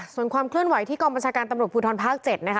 ส่วนความเคลื่อนไหวที่กองบัญชาการตำรวจภูทรภาค๗นะคะ